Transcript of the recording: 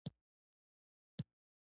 پسرلي، اوړي، مني او ژمي